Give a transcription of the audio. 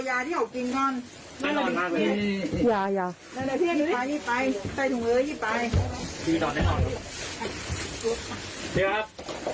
ครับค่ะพื้นผ่านให้ออกเลยนะครับ